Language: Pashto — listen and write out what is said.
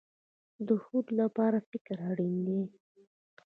د هوډ لپاره فکر اړین دی